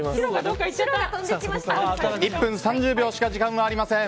１分３０秒しか時間がありません。